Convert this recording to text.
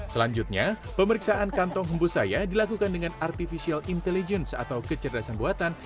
selanjutnya pemeriksaan kantong hembus saya dilakukan dengan artificial intelligence atau kecerdasan buatan